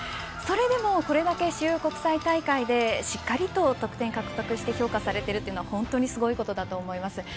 それでもこれだけ主要国際大会でしっかりと得点獲得して評価されているのはすごいことです。